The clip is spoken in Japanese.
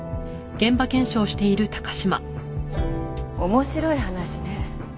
面白い話ね。